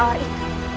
kena orang itu